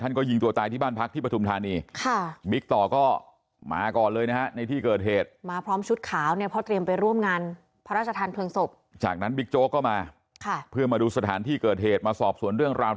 ก็ยิงตัวตายที่บ้านพักที่ปฐุมธานีค่ะ